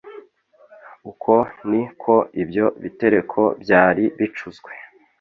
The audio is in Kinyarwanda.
Uko ni ko ibyo bitereko byari bicuzwe